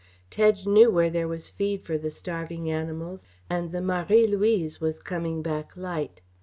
Tedge knew where there was feed for the starving animals, and the Marie Louise was coming back light.